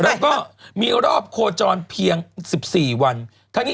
และก็มีรอบโคจรเพียง๑๔วัน